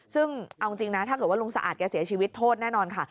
ซึ่งเอาจริงนะถ้าเกิดว่าลุงสะอาดแกเสียชีวิตโทษแน่นอนค่ะ